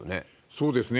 そうですね。